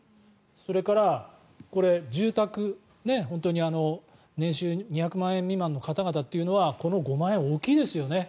それから、住宅年収２００万円未満の方々っていうのはこの５万円、大きいですよね。